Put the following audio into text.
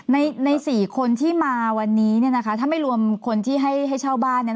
ในสี่คนที่มาวันนี้ถ้าไม่รวมคนที่ให้เช่าบ้าน